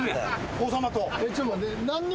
王様と。